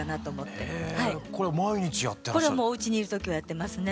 これはもうおうちにいる時はやってますね。